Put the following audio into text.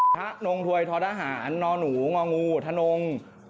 ทะนงถวยท้อนหาหารนหนูงงูทะนง